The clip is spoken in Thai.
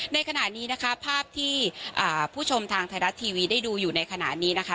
ในขณะนี้นะคะภาพที่ผู้ชมทางไทยรัฐทีวีได้ดูอยู่ในขณะนี้นะคะ